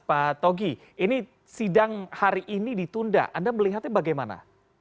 pak togi ini sidang hari ini ditunda anda melihatnya bagaimana